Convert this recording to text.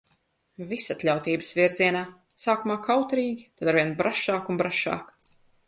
Visatļautības virzienā. Sākumā kautrīgi, tad arvien brašāk un brašāk.